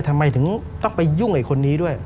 ทำไมถึงต้องไปยุ่งไอ้คนนี้ด้วย